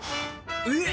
えっ！